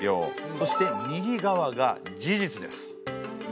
そして右側が事実です。